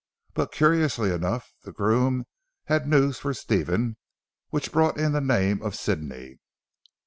But curiously enough the groom had news for Stephen, which brought in the name of Sidney.